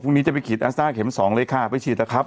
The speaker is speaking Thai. พรุ่งนี้จะไปขีดแอสตาร์เข็ม๒เลยค่ะไปฉีดละครับ